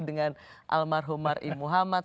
dengan almarhumar i muhammad